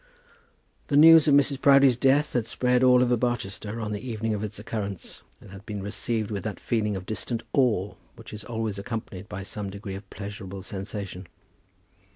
The news of Mrs. Proudie's death had spread all over Barchester on the evening of its occurrence, and had been received with that feeling of distant awe which is always accompanied by some degree of pleasurable sensation.